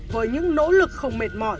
với những nỗ lực không mệt mỏi